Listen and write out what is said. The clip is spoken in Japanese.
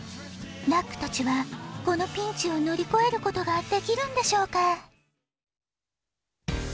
ラックたちはこのピンチをのりこえることができるんでしょうか？